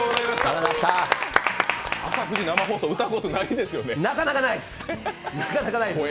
朝９時生放送、歌うことなかなかないですよね？